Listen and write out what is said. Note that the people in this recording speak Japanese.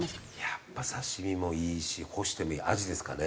やっぱ刺し身もいいし干してもいいアジですかね。